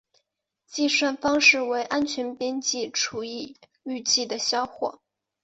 计算方式为安全边际除以预计的销货。